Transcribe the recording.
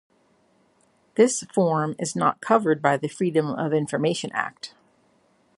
This form is not covered by the Freedom of Information Act.